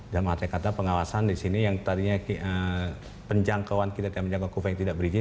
dalam arti kata pengawasan disini yang tadinya penjangkauan kita dengan penjangkauan kupfa yang tidak berizin